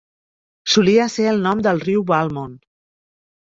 Solia ser el nom del riu Valmont.